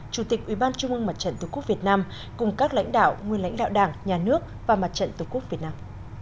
chủ tịch ủy ban trung ương mặt trận tổ quốc việt nam cùng các lãnh đạo nguyên lãnh đạo đảng nhà nước và mặt trận tổ quốc việt nam